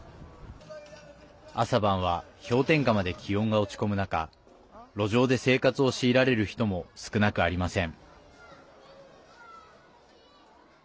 朝晩は氷点下まで気温が落ち込む中路上で生活を強いられる人も少なくありません。